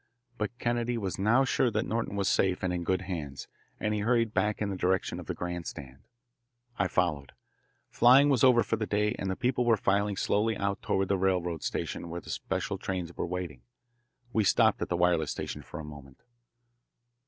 But Kennedy was now sure that Norton was safe and in good hands, and he hurried back in the direction of the grand stand. I followed. Flying was over for that day, and the people were filing slowly out toward the railroad station where the special trains were waiting. We stopped at the wireless station for a moment.